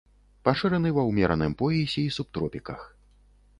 Пашыраны ва ўмераным поясе і субтропіках.